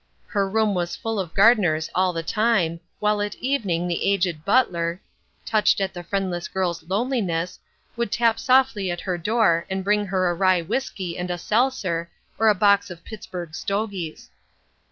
Her room was full of gardeners all the time, while at evening the aged butler, touched at the friendless girl's loneliness, would tap softly at her door to bring her a rye whiskey and seltzer or a box of Pittsburg Stogies.